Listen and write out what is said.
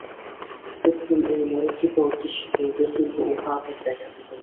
একদিন এই মরীচিকা অদৃশ্য হইবে, কিন্তু উহা আবার দেখা দিবে।